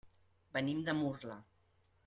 Venim de Murla.